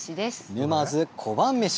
沼津小判めし。